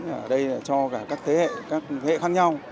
ở đây cho cả các thế hệ khác nhau